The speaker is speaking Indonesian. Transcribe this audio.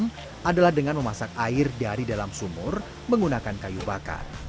yang adalah dengan memasak air dari dalam sumur menggunakan kayu bakar